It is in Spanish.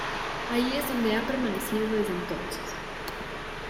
Ahí es donde ha permanecido desde entonces.